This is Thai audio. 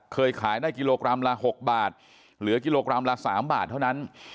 เคยขายได้กิโลกรัมละ๖บาทเหลือกิโลกรัมละ๓บาทเท่านั้น